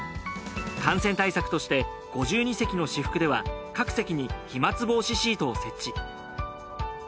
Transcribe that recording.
感染対策として５２席の至福では各席に飛沫防止シートを設置。